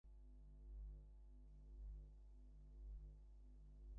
তড়িৎ ও বাষ্প-শক্তি জগতের বিভিন্ন অংশকে পরস্পরের সহিত পরিচয় করাইয়া দিতেছে।